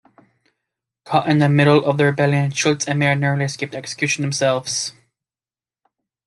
Caught in the middle of the rebellion, Schultz and Mair narrowly escaped execution themselves.